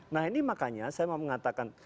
nah ini makanya saya mau mengatakan